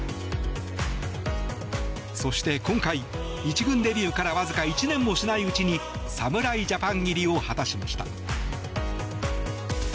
そして今回、１軍デビューからわずか１年もしないうちに侍ジャパン入りを果たしました。